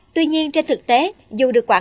tuy nhiên trên thực tế dù được quản lý